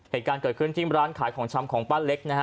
เหตุการณ์เกิดขึ้นที่ร้านขายของชำของป้าเล็กนะฮะ